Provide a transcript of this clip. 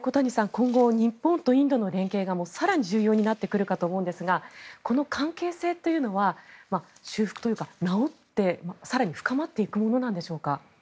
今後、日本とインドの連携が更に重要になってくると思うんですがこの関係性というのは修復というか、直って更に深まっていくものなんでしょうか？